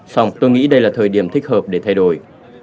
xong tôi nghĩ đây là thời điểm thích hợp để thay đổi